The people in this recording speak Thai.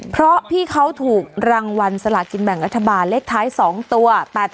เพราะพี่เขาถูกรางวัลสลากินแบ่งรัฐบาลเลขท้าย๒ตัว๘๘